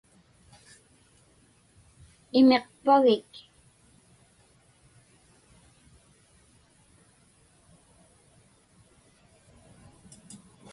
Imiqpagik?